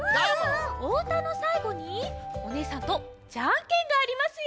おうたのさいごにおねえさんとジャンケンがありますよ！